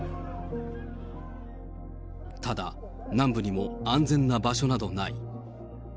ただ、南部にも安全な場所などない。